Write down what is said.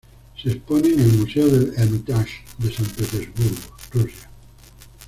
Se expone en el Museo del Hermitage de San Petersburgo, Rusia.